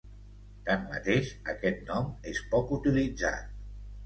Tanmateix, aquest nom és poc utilitzat.